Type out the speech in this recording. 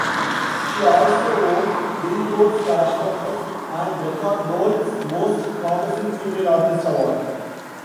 She also won Billboard's, Cashbox's, and Record World's "Most Promising Female Artist Award".